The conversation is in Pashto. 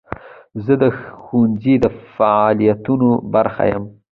زه د ښوونځي د فعالیتونو برخه یم.